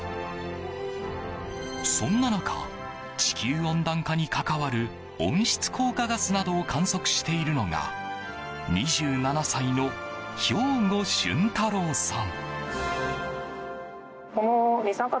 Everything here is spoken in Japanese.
そんな中、地球温暖化に関わる温室効果ガスなどを観測しているのが２７歳の瓢子俊太郎さん。